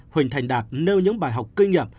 huỳnh thành đạt nêu những bài học kinh nghiệm